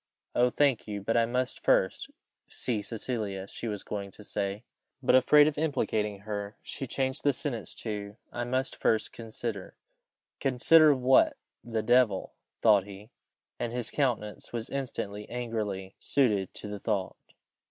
"Oh! thank you; but I must first " see Cecilia, she was going to say, but, afraid of implicating her, she changed the sentence to "I must first consider " "Consider! what the devil!" thought he, and his countenance was instantly angrily suited to the thought.